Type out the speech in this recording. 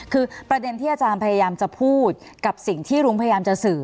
คือประเด็นที่อาจารย์พยายามจะพูดกับสิ่งที่รุ้งพยายามจะสื่อ